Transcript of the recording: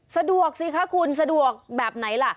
สะดวกสิคะคุณสะดวกแบบไหนล่ะ